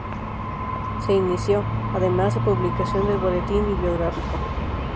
Se inició, además, la publicación del Boletín Bibliográfico.